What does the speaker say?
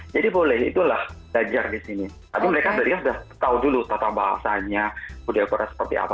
jadi boleh itulah belajar di sini tapi mereka sudah tahu dulu tata bahasanya budaya korea seperti apa